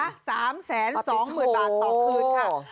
๓๒เหมือนบาทต่อคืนค่ะ